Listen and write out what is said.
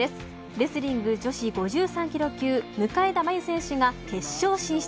レスリング女子５３ｋｇ級向田真優選手が決勝進出。